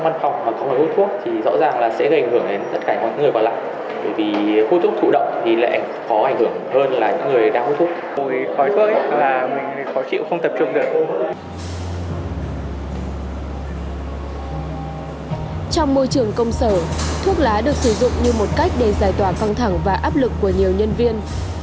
trong môi trường công sở thuốc lá được sử dụng như một cách để giải tỏa căng thẳng và áp lực của nhiều nhân viên